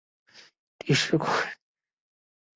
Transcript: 它们一般会在石灰岩或枯萎的欧洲蕨上产卵。